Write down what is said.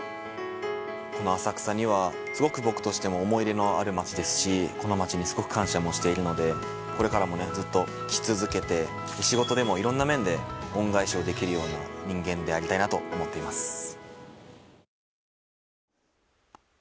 この浅草にはすごく僕としても思い入れのある街ですしこの街にすごく感謝もしているのでこれからもねずっと来続けて仕事でもいろんな面で恩返しをできるような人間でありたいなと思っています。